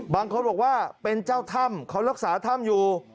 บางคนบอกว่าเป็นเจ้าถ้ำเขารักษาถ้ำอยู่